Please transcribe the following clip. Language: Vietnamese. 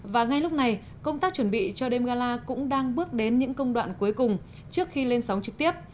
và ngay lúc này công tác chuẩn bị cho đêm gala cũng đang bước đến những công đoạn cuối cùng trước khi lên sóng trực tiếp